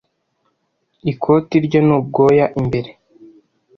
Ikoti rye ni ubwoya imbere.